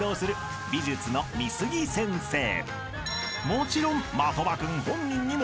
［もちろん］